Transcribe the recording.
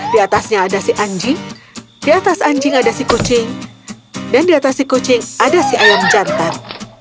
di atasnya ada si anjing di atas anjing ada si kucing dan di atas si kucing ada si ayam jantan